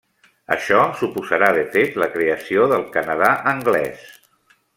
Això suposarà de fet la creació del Canadà anglès.